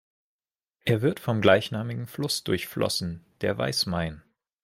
Er wird vom gleichnamigen Fluss durchflossen, der Weismain.